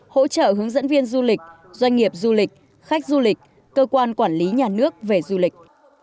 hỗ trợ hướng dẫn viên du lịch doanh nghiệp du lịch khách du lịch cơ quan quản lý nhà nước về du lịch